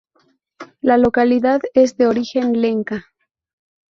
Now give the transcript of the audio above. La localidad es de origen lenca.